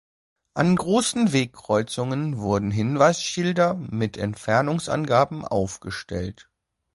An größeren Wegkreuzungen wurden Hinweisschilder mit Entfernungsangaben aufgestellt.